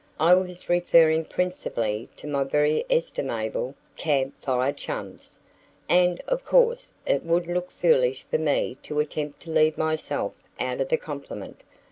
"I was referring principally to my very estimable Camp Fire chums, and of course it would look foolish for me to attempt to leave myself out of the compliment.